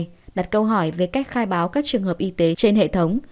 trung quốc đã đặt câu hỏi về cách khai báo các trường hợp y tế trên hệ thống